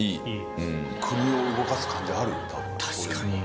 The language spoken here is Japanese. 確かに。